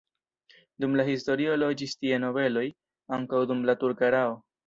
Dum la historio loĝis tie nobeloj, ankaŭ dum la turka erao.